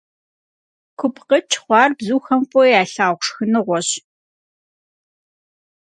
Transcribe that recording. КупкъыкӀ хъуар бзухэм фӀыуэ ялъагъу шхыныгъуэщ.